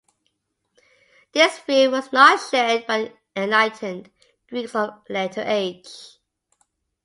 This view was not shared by the enlightened Greeks of a later age.